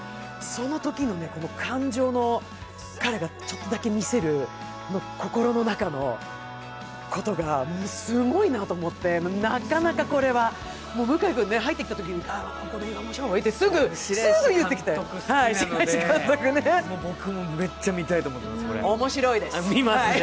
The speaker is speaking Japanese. そのときの感情の、彼がちょっとだけ見せる心の中ことがすんごいなと思って、なかなかこれは、向井君入ってきたとき、「この映画面白い」って白石監督好きなので僕もめっちゃ見たいと思います。